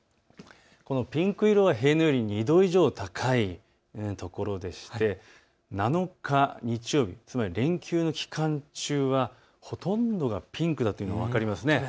このピンク色、平年より２度以上高いというところでして７日、日曜日、連休の期間中はほとんどがピンクだということが分かります。